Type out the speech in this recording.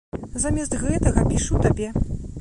Замест гэтага пішу табе.